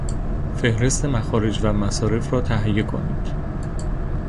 فهرست مخارج و مصارف را تهیه کنید